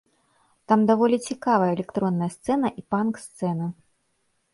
Там даволі цікавая электронная сцэна і панк-сцэна.